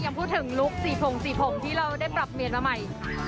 อย่างพูดถึงลุคสีผงที่เราได้ปรับเมียทำไม